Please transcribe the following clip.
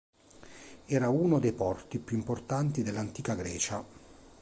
Era uno dei porti più importanti dell'antica Grecia.